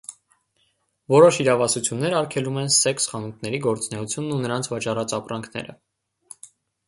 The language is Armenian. Որոշ իրավասություններ արգելում են սեքս խանութների գործունեությունն ու նրանց վաճառած ապրանքները։